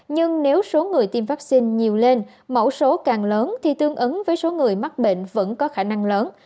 nhưng nếu số người tiêm vaccine nhiều lên mẫu số càng lớn thì tương ứng với số người mắc bệnh vẫn có khả năng lớn